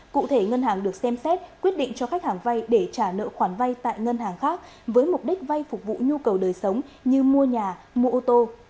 cụ thể ngân hàng được xem xét quyết định cho khách hàng vay để trả nợ khoản vay tại ngân hàng khác với mục đích vay phục vụ nhu cầu đời sống như mua nhà mua ô tô